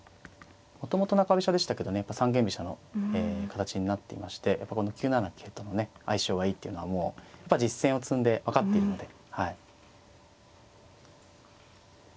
もともと中飛車でしたけどね三間飛車の形になっていましてやっぱこの９七桂とのね相性がいいっていうのはもうやっぱ実戦を積んで分かっているので。